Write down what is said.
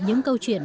những câu chuyện